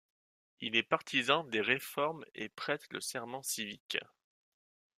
Il est partisan des réformes et prête le serment civique.